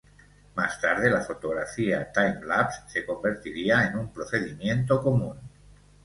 Más tarde, la fotografía time-lapse se convertiría en un procedimiento común.